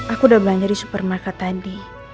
aku udah belanja di supermarket tadi